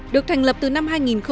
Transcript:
được thành lập từ năm hai nghìn ba